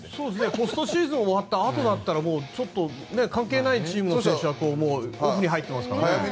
ポストシーズン終わったあとなら関係ないチームの選手はオフに入ってますからね。